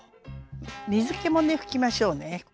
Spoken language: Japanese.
水けもね拭きましょうね。